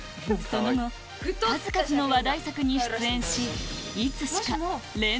その後数々の話題作に出演しいつしか南！